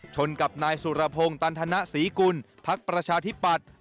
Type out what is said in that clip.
ชนกับนายสุรพงศ์ตันธนศรีกุลพักประชาธิปัตย์